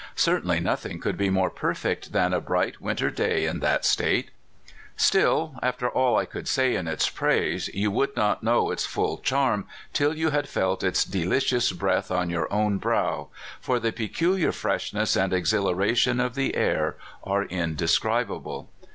Certainly nothing could be more perfect than a bright winter day in that State, Still, after all I could say in its praise, you would not know its full charm till you had felt its delicious breath on your own brow; for the peculiar freshness and exhilara tion of the air are indescribable.